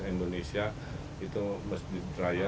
indonesia itu masjid raya